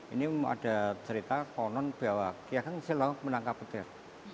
ini ada cerita konon bahwa kiageng selok menangkap petir